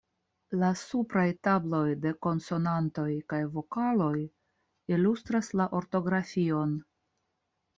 La supraj tabloj de konsonantoj kaj vokaloj ilustras la ortografion.